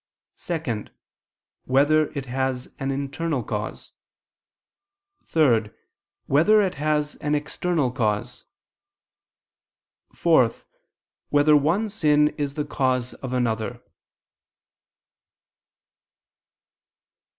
(2) Whether it has an internal cause? (3) Whether it has an external cause? (4) Whether one sin is the cause of another?